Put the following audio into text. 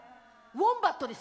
ウォンバットです。